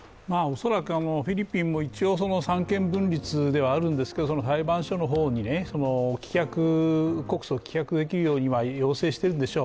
恐らく、フィリピンも一応三権分立ではあるんですけど裁判所の方に告訴が棄却できるように要請しているんでしょう。